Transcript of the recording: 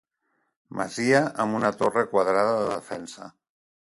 Masia amb una torre quadrada de defensa.